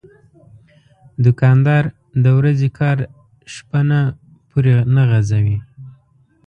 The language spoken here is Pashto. دوکاندار د ورځې کار شپه نه پورې نه غځوي.